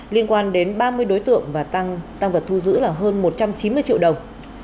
liên quan đến ba mươi đối tượng và tăng tăng vật thu giữ là hơn một trăm chín mươi triệu đồng